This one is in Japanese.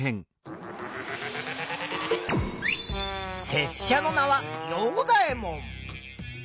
せっしゃの名はヨウダエモン。